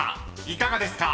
［いかがですか？］